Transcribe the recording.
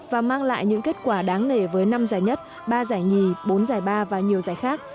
và mang lại những kết quả đáng nể với năm giải nhất ba giải nhì bốn giải ba và nhiều giải khác